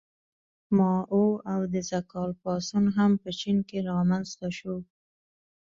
مائو او د ز کال پاڅون هم په چین کې رامنځته شو.